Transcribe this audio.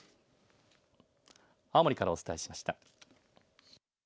青森からお伝えしました。